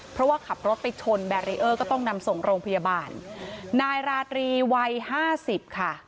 เพราะว่าขับรถไปชนแบรีเออร์ก็ต้องนำส่งโรงพยาบาลนายราตรีวัยห้าสิบค่ะ